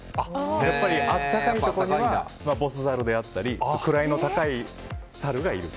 やっぱり暖かいところにはボスザルであったり位の高いサルがいる。